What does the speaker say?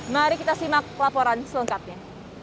mari kita simak laporan selengkapnya